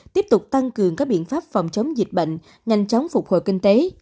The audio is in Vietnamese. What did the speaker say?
tiếp tục tăng cường các biện pháp phòng chống dịch bệnh nhanh chóng phục hồi kinh tế